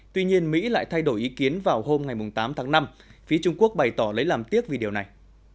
tuy nhiên mỹ lại thay đổi ý kiến vào hôm ngày tám tháng năm phía trung quốc bày tỏ lấy làm tiếc vì điều này